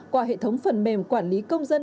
qua hệ thống phần mềm quản lý công dân